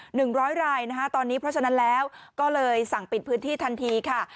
หนึ่งร้อยรายนะคะตอนนี้เพราะฉะนั้นแล้วก็เลยสั่งปิดพื้นที่ทันทีค่ะ